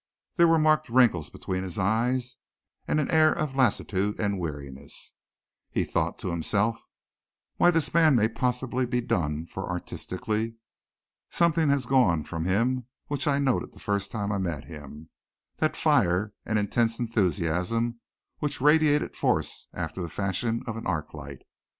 There were marked wrinkles between his eyes and an air of lassitude and weariness. He thought to himself, "Why, this man may possibly be done for artistically. Something has gone from him which I noted the first time I met him: that fire and intense enthusiasm which radiated force after the fashion of an arclight.